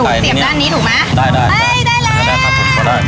หนูเสียบด้านนี้ถูกไหมได้ได้เอ้ยได้แล้วได้ครับพอได้